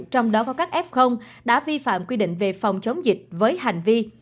trong đó có các f đã vi phạm quy định về phòng chống dịch với hành vi